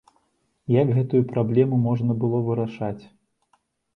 Як гэтую праблему можна было вырашаць?